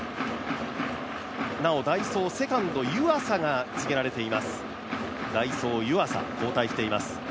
なお代走、セカンド・湯浅が告げられています。